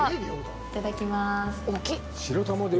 いただきまーす。